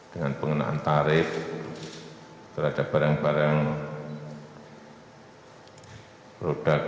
dengan pengenaan tarif terhadap barang barang produk